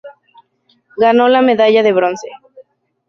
Ganó la medalla de bronce.